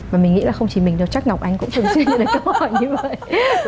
mà mình nghĩ là không chỉ mình đâu chắc ngọc anh cũng thường xuyên được câu hỏi như vậy